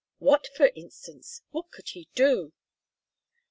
"What, for instance? What could he do?"